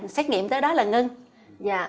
xét nghiệm tới đó là ngưng